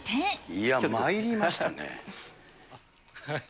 いや、参りましたね。